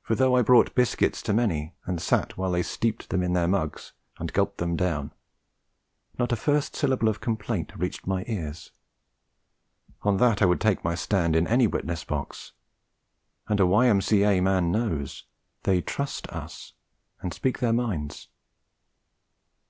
For though I brought biscuits to many, and sat while they steeped them in their mugs and gulped them down, not a first syllable of complaint reached my ears. On that I would take my stand in any witness box. And a Y.M.C.A. man knows; they trust us, and speak their minds.